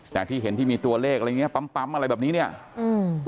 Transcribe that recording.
แต่ที่เห็นที่มีตัวเลขอะไรอย่างเงี้ปั๊มปั๊มอะไรแบบนี้เนี้ยอืม